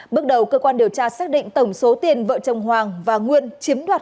bước đầu cơ quan điều tra xác định tổng số tiền vợ chồng hoàng và nguyên chiếm đoạt